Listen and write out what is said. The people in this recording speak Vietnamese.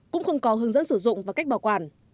cũng không có hướng dẫn sử dụng và cách bảo quản